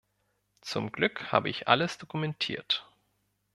Zum Glück habe ich alles dokumentiert.